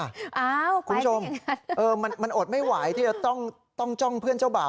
คุณผู้ชมมันอดไม่ไหวที่จะต้องจ้องเพื่อนเจ้าบ่าว